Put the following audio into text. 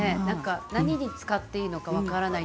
何に使っていいか分からない。